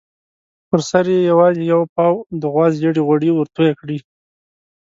پر سر یې یوازې یو پاو د غوا زېړ غوړي ورتوی کړي.